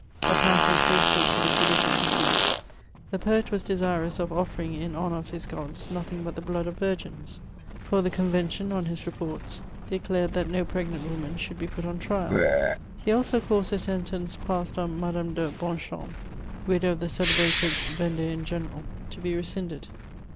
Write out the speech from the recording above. Apparently frithful to the traditioDS of Greece, the poet was d»9urous of offering in honour of his gods nothing but the blood of virgins ; tat the Convention, on his reports, declared that no pregnant woman should be put on triaL He also ( CHATEAUmOAKD. 357 caused the sentence passed on Madame de Bonchamn, widow of the celebrated Vendean general, to be rescinded.